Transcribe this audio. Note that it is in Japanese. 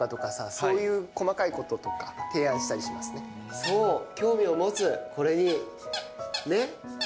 そう、興味を持つ、これに。ね？